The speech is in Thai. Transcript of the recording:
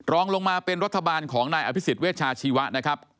รองลงมาเป็นรัฐบาลของนายอภิษฎเวชาชีวะนะครับ